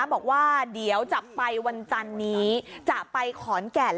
บอกว่าเดี๋ยวจะไปวันจันนี้จะไปขอนแก่น